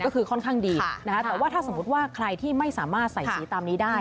ค่อนข้างดีถ้าสมมติใครที่ไม่สามารถใส่สีตามนี้ได้